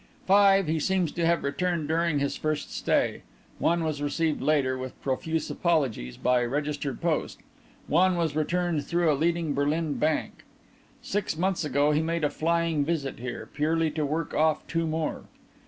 Five he seems to have returned during his first stay; one was received later, with profuse apologies, by registered post; one was returned through a leading Berlin bank. Six months ago he made a flying visit here, purely to work off two more.